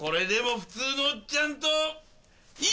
普通のおっちゃん！